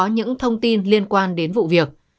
những thông tin liên quan đến vụ việc